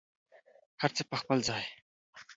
هر څه په خپل ځای.